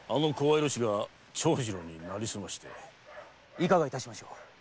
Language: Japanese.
いかがいたしましょう。